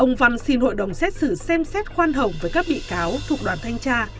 ông văn xin hội đồng xét xử xem xét khoan hồng với các bị cáo thuộc đoàn thanh tra